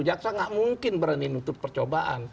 jaksa tidak mungkin berani menutup percobaan